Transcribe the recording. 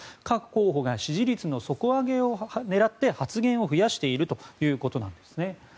各候補が支持率の底上げを狙って発言を増やしているということなんです。